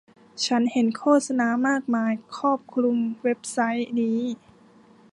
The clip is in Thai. ฉันเห็นโฆษณามากมายครอบคลุมเว็บไซต์นี้